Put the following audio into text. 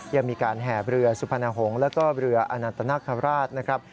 ยังมีการแห่เรือสุพรรณหงษ์แล้วก็เรืออนันตนาคาราชนะครับ